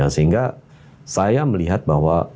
sehingga saya melihat bahwa